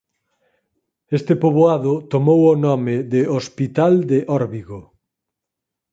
Este poboado tomou o nome de Hospital de Órbigo.